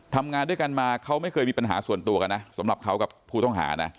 ทำงานด้วยกันมาเขาไม่เคยมีปัญหาส่วนตัวกันนะสำหรับเขากับผู้ต้องหานะ